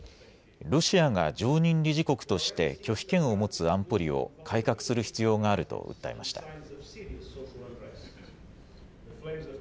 ロシアが常任理事国として拒否権を持つ安保理を改革する必要があると訴えました。